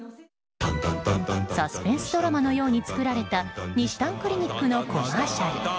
サスペンスドラマのように作られたにしたんクリニックのコマーシャル。